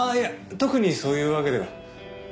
特にそういうわけでは。